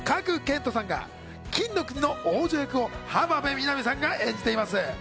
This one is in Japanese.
水の国に住む建築士役を賀来賢人さんが、金の国の王女役を浜辺美波さんが演じています。